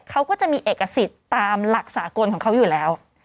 เขาก็จะมีเอกสิทธิ์ตามหลักสากลของเขาอยู่แล้ว